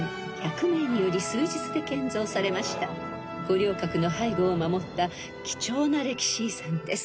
［五稜郭の背後を守った貴重な歴史遺産です］